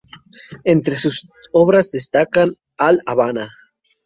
Entre sus obras destacan "¡A L’Habana!